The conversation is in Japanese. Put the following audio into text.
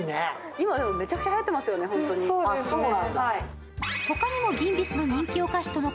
今、めちゃくちゃはやってますよね、本当に。